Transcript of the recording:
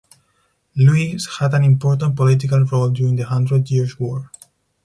Louis had an important political role during the Hundred Years' War.